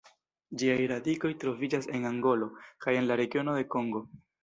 Ĝiaj radikoj troviĝas en Angolo kaj en la regiono de Kongo.